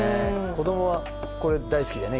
子供はこれ大好きでね